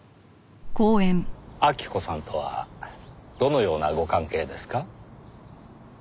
晃子さんとはどのようなご関係ですか？